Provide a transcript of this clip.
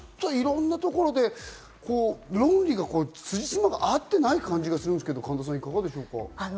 ちょっと、いろんなところで論理が、辻褄が合ってない感じがするんですけど、神田さん、いかがでしょうか。